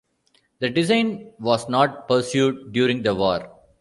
The design was not pursued during the war.